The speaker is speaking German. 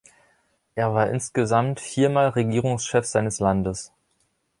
Er war insgesamt viermal Regierungschef seines Landes.